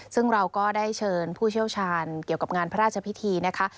ซึ่งเราก็ได้เชิญผู้เชี่ยวชาญเกี่ยวกับงานพระราชพิธีนะคะ